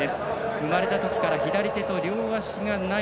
生まれたときから左手と両足がない。